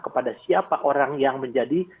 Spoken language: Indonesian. kepada siapa orang yang menjadi